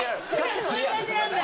そういう感じなんだ